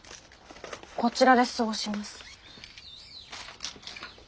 こちらで過ごします。